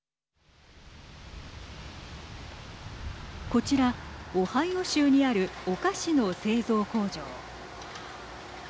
こちら、オハイオ州にあるお菓子の製造工場。